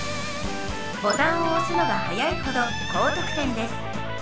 ボタンを押すのが早いほど高得点です。